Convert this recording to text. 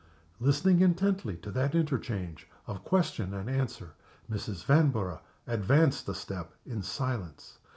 Listening intently to that interchange of question and answer, Mrs. Vanborough advanced a step in silence.